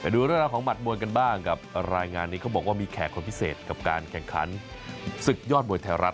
ดูเรื่องราวของหัดมวยกันบ้างกับรายงานนี้เขาบอกว่ามีแขกคนพิเศษกับการแข่งขันศึกยอดมวยไทยรัฐ